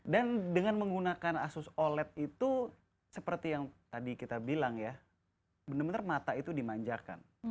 dan dengan menggunakan asus oled itu seperti yang tadi kita bilang ya benar benar mata itu dimanjakan